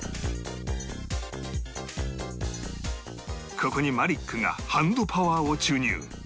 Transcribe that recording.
ここにマリックがハンドパワーを注入